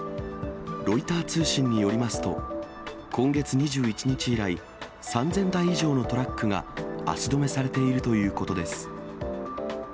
ロイター通信によりますと、今月２１日以来、３０００台以上のトラックが足止めされているということです。